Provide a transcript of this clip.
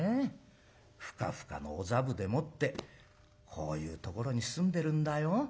ふかふかのお座布でもってこういうところに住んでるんだよ。